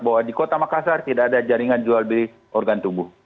bahwa di kota makassar tidak ada jaringan jual beli organ tubuh